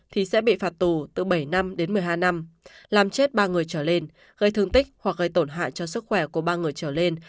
thì sẽ bị phạt tù từ bảy năm đến một mươi hai năm làm chết ba người trở lên gây thương tích hoặc gây tổn hại cho sức khỏe của ba người trở lên